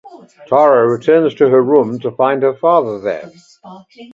Tara returns to her room to find her father there.